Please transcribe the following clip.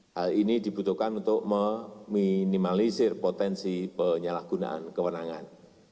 hal ini dibutuhkan untuk meminimalisir potensi penyalahgunaan kewenangan